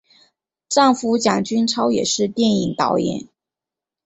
丈夫蒋君超也是电影导演。